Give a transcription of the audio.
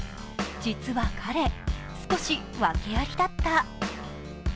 実は彼、少しワケありだった。